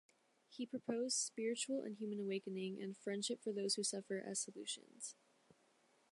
He proposed "spiritual and human awakening" and "friendship for those who suffer" as solutions.